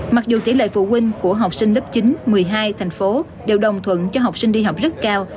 mặc dù tỷ lệ phụ huynh của học sinh lớp chín một mươi hai thành phố đều đồng thuận cho học sinh đi học rất cao